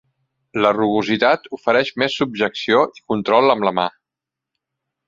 La rugositat ofereix més subjecció i control amb la mà.